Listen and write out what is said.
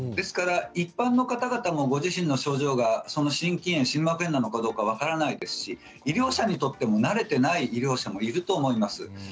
一般の方々もご自身の症状が心筋炎、心膜炎なのか分からないですし医療者にとっても慣れていない医療者もいると思います。